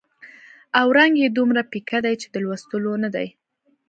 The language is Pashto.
او رنګ یې دومره پیکه دی چې د لوستلو نه دی.